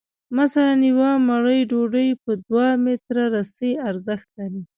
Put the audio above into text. مثلاً یوه مړۍ ډوډۍ په دوه متره رسۍ ارزښت لري